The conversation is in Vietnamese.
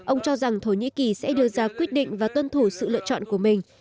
ông cho rằng thổ nhĩ kỳ sẽ đưa ra quyết định và tuân thủ sự lựa chọn của mình